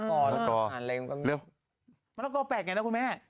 มะละกอแปลกไงนะคุณแม่